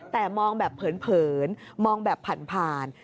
แต่มองแบบเผินมองแบบผ่าน